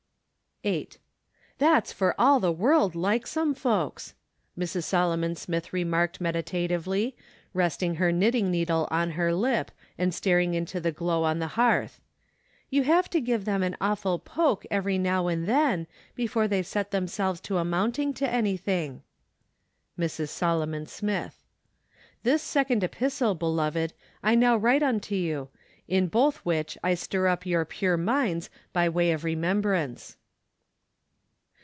100 8EPTEM RF.R. 8. " That's for all the world like some folks!" Mrs. Solomon Smith remarked meditatively, resting her knitting needle on her lip and staring into the glow on the hearth. " You have to give them an awful poke, every now and then, before they set themselves to amounting to anything." Mrs. Solomon Smith. " This second epistle , beloved, I now write unto , you; in both which I stir up your pure minds by way of remembrance